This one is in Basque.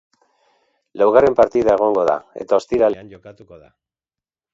Laugarren partida egongo da eta ostiralean jokatuko da.